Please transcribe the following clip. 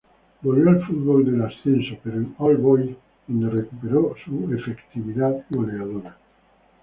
Volvió al fútbol del ascenso pero en All Boys donde recuperó su efectividad goleadora.